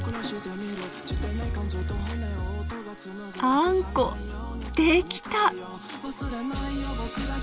あんこできた！